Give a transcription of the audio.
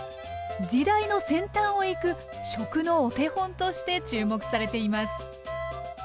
時代の先端をいく食のお手本として注目されています